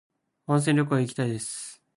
温泉旅行へ行きたいです